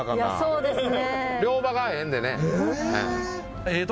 そうですね。